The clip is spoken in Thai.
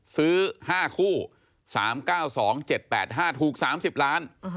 ซื้อ๕คู่๓๙๒๗๘๕ถูก๓๐ล้าน